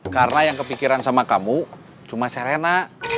karena yang kepikiran sama kamu cuma serena